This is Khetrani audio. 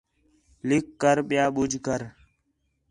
لَکھ کر ٻِیا ٻُجھ کر